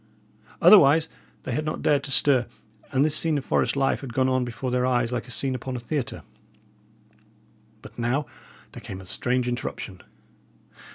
Otherwise they had not dared to stir; and this scene of forest life had gone on before their eyes like a scene upon a theatre. But now there came a strange interruption.